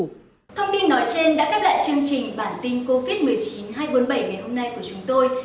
thông tin nói trên đã khép lại chương trình bản tin covid một mươi chín hai trăm bốn mươi bảy ngày hôm nay của chúng tôi